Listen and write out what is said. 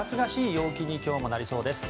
陽気に今日もなりそうです。